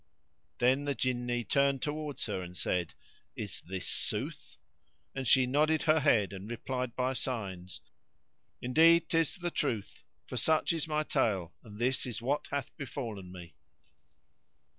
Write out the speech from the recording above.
Then the Jinni turned towards her and said, "Is this sooth?" And she nodded her head and replied by signs, "Indeed, 'tis the truth: for such is my tale and this is what hath befallen me."